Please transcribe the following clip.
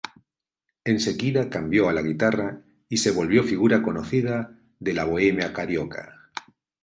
Enseguida cambió a la guitarra y se volvió figura conocida de la bohemia carioca.